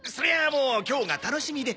もう今日が楽しみで。